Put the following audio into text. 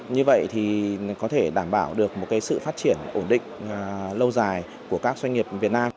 như vậy thì có thể đảm bảo được một sự phát triển ổn định lâu dài của các doanh nghiệp việt nam